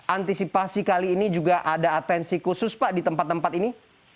antisipasi kali ini juga ada atensi khusus pak di tempat tempat ini